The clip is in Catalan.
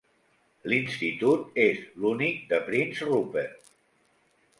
L'institut és l'únic de Prince Rupert.